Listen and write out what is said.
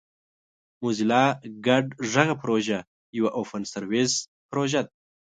موزیلا ګډ غږ پروژه یوه اوپن سورس پروژه ده.